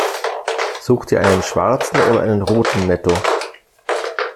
Sucht ihr einen schwarzen oder einen roten Netto?